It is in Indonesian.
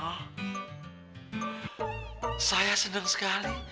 oh saya senang sekali